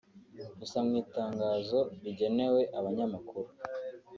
Gusa mu itangazo rigenewe abanyamakuru